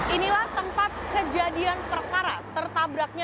inilah tempat kejadian perkara tertabraknya